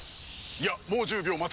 いやもう１０秒待て。